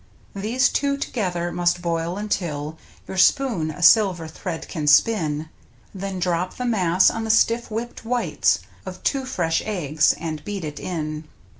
These two together must boil until Your spoon a silver thread can spin, Then drop the mass on the stiff whipped whites Of two fresh eggs, and beat it in.